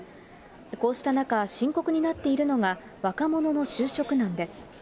こうした中、深刻になっているのが若者の就職難です。